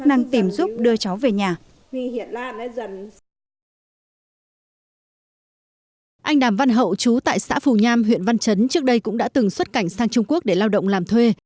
anh đàm văn hậu chú tại xã phù nham huyện văn chấn trước đây cũng đã từng xuất cảnh sang trung quốc để lao động làm thuê